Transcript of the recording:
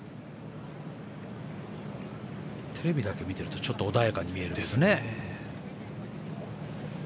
テレビだけ見ていると穏やかに見えるんだけどね。